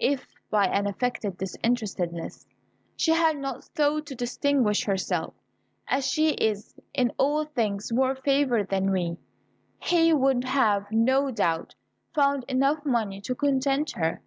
If, by an affected disinterestedness, she had not sought to distinguish herself, as she is in all things more favoured than we, he would have, no doubt, found enough money to content her.